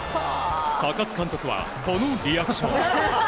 高津監督はこのリアクション。